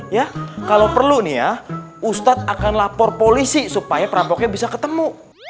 ya kalau perlu nih ya ustadz akan lapor polisi supaya perampoknya bisa ketemu